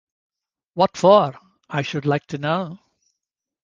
What for, I should like to know?